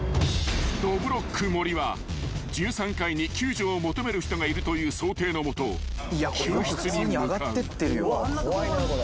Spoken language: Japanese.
［どぶろっく森は１３階に救助を求める人がいるという想定の下救出に向かう］